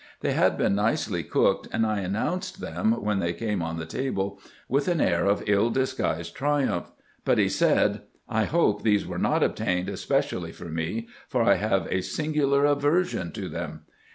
They had been nicely cooked, and I announced them, when they came on the table, with an air of ill disguised triumph ; but he said :" I hope these were not obtained especially for me, for I have a singular aversion to them.